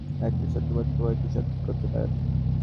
একটা ছোট্ট পদক্ষেপ হয়তো সব ঠিক করতে পারতো।